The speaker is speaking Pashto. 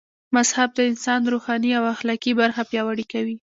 مذهب د انسان روحاني او اخلاقي برخه پياوړي کوي